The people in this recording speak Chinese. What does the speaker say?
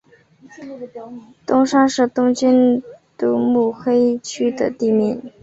东山是东京都目黑区的地名。